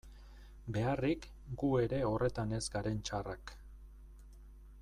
Beharrik, gu ere horretan ez garen txarrak...